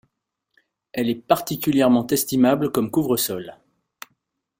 Elle est particulièrement estimable comme couvre-sol.